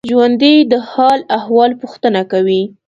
ژوندي د حال احوال پوښتنه کوي